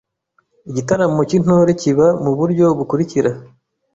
Igitaramo cy’Intore kiba mu buryo bukurikira: